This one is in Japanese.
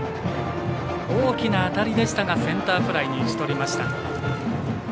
大きな当たりでしたがセンターフライに打ちとりました。